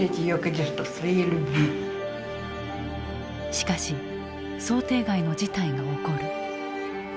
しかし想定外の事態が起こる。